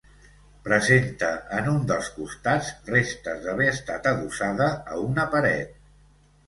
Presenta en un dels costats, restes d'haver estat adossada a una paret.